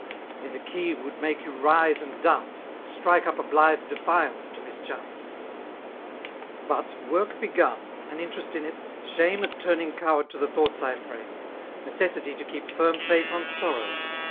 And: in a key would make you rise and dance,. Strike up a blithe d^flMic^ to mischance*. ~. e m But work begun, an interest in it^ shame At turning coward to the thoughts I,fraiiie> Necessity to keep firm face on sorrow.